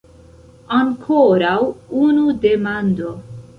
Ankoraŭ unu demando!